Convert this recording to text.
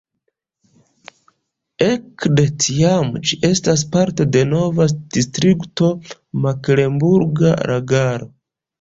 Ekde tiam ĝi estas parto de nova distrikto Meklenburga Lagaro.